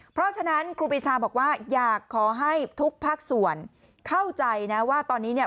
เพราะฉะนั้นครูปีชาบอกว่าอยากขอให้ทุกภาคส่วนเข้าใจนะว่าตอนนี้เนี่ย